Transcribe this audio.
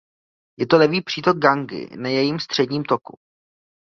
Je to levý přítok Gangy na jejím středním toku.